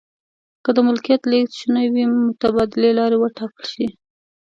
که د ملکیت لیږد شونی نه وي متبادلې لارې و ټاکل شي.